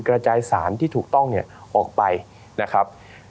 กระจายสารที่ถูกต้องเนี่ยออกไปนะครับ